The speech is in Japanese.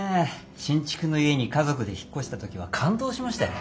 新築の家に家族で引っ越した時は感動しましたよ。